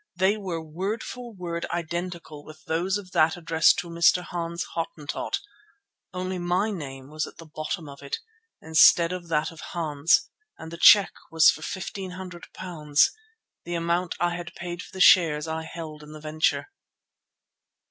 They were word for word identical with those of that addressed to "Mr. Hans, Hottentot," only my name was at the bottom of it instead of that of Hans and the cheque was for £1,500, the amount I had paid for the shares I held in the venture.